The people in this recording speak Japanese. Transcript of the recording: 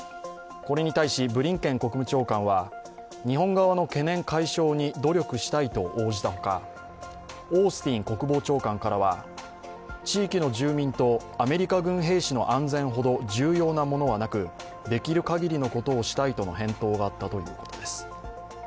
これに対しブリンケン国務長官は、日本側の懸念解消に努力したいと応じたほかオースティン国防長官からは地域の住民とアメリカ軍兵士の安全ほど重要なものはなくできる限りのことをしたいとの返答があったとのことです。